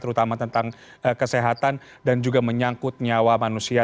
terutama tentang kesehatan dan juga menyangkut nyawa manusia